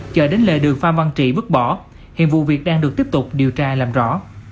chờ đến lệ đường pha văn trị bước bỏ hiện vụ việc đang được tiếp tục điều tra làm rõ